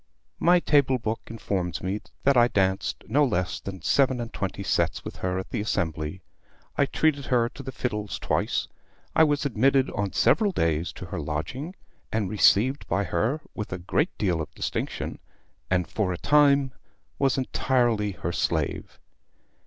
"My table book informs me that I danced no less than seven and twenty sets with her at the Assembly. I treated her to the fiddles twice. I was admitted on several days to her lodging, and received by her with a great deal of distinction, and, for a time, was entirely her slave.